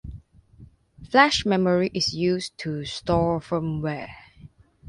Flash memory is used to store firmware.